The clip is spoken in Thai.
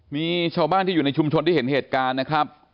มีชาวบ้านที่อยู่ในชุมชนที่เห็นเหตุการณ์นะครับ